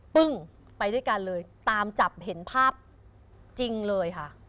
ปึ้งไปด้วยกันเลยตามจับเห็นภาพจริงเลยค่ะ